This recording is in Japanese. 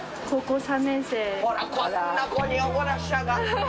ほらこんな子におごらせちゃだめ。